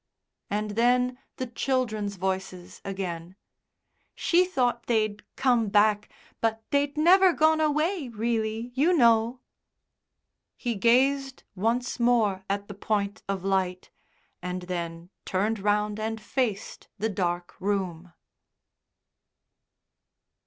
And then the children's voices again: "She thought they'd come back, but they'd never gone away really, you know." He gazed once more at the point of light, and then turned round and faced the dark room....